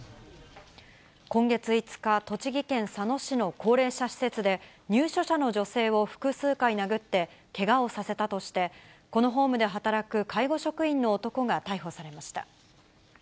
今月５日、栃木県佐野市の高齢者施設で、入所者の女性を複数回殴って、けがをさせたとして、このホームで働く介護職員の男が逮捕されました。